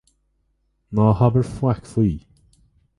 Ná habair faic faoi.